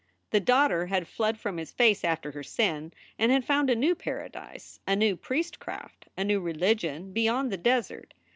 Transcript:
The daughter had fled from his face after her sin, and had found a new paradise, a new priestcraft, a new religion beyond the desert.